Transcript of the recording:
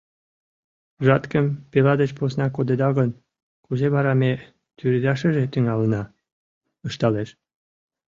Жаткым пила деч посна кодеда гын, кузе вара ме тӱредашыже тӱҥалына? — ышталеш.